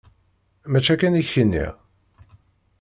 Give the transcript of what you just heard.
Mačči akken i k-nniɣ?